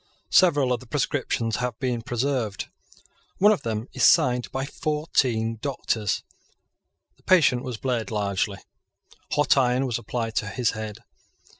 Several of the prescriptions have been preserved. One of them is signed by fourteen Doctors. The patient was bled largely. Hot iron was applied to his head.